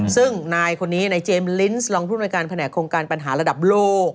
ซึ่งนายคนนี้นายเจมสลินส์รองภูมิในการแผนกโครงการปัญหาระดับโลก